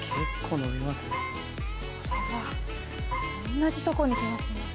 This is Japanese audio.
これは同じとこに来ますね。